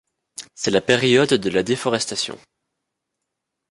C’est la période de la déforestation.